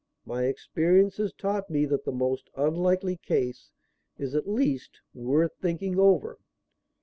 My experience has taught me that the most unlikely case is, at least, worth thinking over."